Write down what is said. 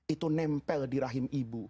itu nempel di rahim ibu